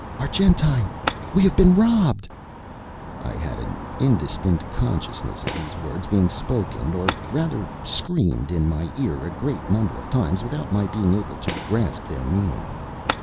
"Argentine, we have been robbed!" I had an indistinct consciousness of these words being spoken, or rather screamed, in my ear a great number of times without my being able to grasp their meaning.